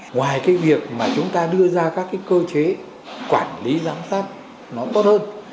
ngoài việc chúng ta đưa ra các cơ chế quản lý giám sát nó tốt hơn